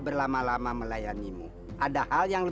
baik kakek guru